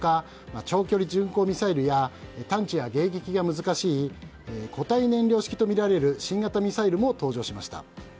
長距離巡航ミサイルや探知や迎撃が難しい固体燃料式とみられる新型ミサイルも登場しました。